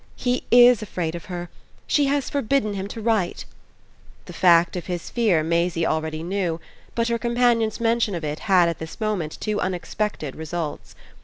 "He IS afraid of her! She has forbidden him to write." The fact of his fear Maisie already knew; but her companion's mention of it had at this moment two unexpected results.